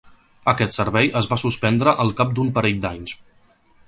Aquest servei es va suspendre al cap d'un parell d'anys.